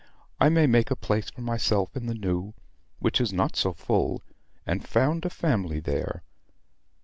I may make a place for myself in the New, which is not so full; and found a family there.